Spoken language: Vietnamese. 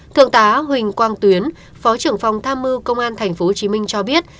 thượng tá huỳnh quang tuyến phó trưởng phòng tham mưu công an tp hcm cho biết